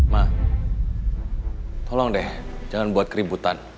ma tolong deh jangan buat keributan